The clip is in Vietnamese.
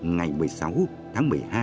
ngày một mươi sáu tháng một mươi hai